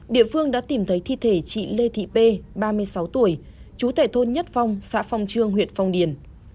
địa phương đã tìm thấy thi thể chị lê thị p ba mươi sáu tuổi chú tệ thôn nhất phong xã phong trương huyện phong điền